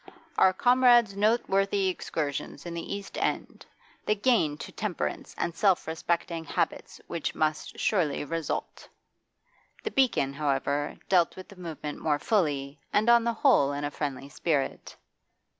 'Our comrade's noteworthy exertions in the East End.... The gain to temperance and self respecting habits which must surely result....' The 'Beacon,' however, dealt with the movement more fully, and on the whole in a friendly spirit.